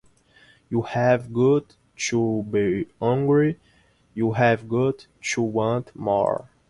You have got to be hungry, you have got to want more.